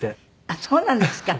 あっそうなんですか。